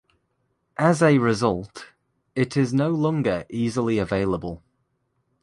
As a result, it is no longer easily available.